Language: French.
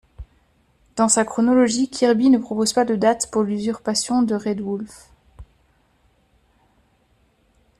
Dans sa chronologie, Kirby ne propose pas de date pour l'usurpation de Rædwulf.